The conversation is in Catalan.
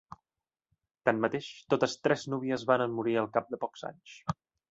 Tanmateix, totes tres núvies varen morir al cap de pocs anys.